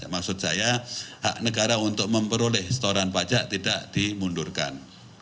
maksud saya hak negara untuk memperoleh setoran pajak tidak dimundurkan